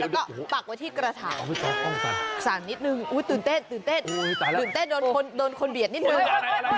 บักไว้ที่กระต่ำสั่งนิดนึงตื่นเต้นโดนคนเบียนนิดนึง